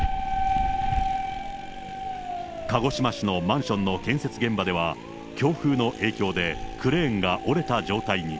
鹿児島市のマンションの建設現場では、強風の影響で、クレーンが折れた状態に。